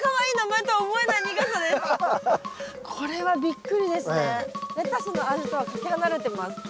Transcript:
レタスの味とはかけ離れてます。